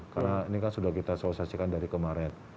karena ini kan sudah kita sosiasikan dari kemarin